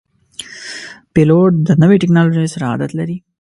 پیلوټ د نوي ټکنالوژۍ سره عادت لري.